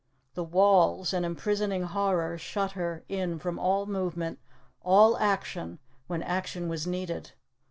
The walls, an imprisoning horror, shut her in from all movement, all action, when action was needed.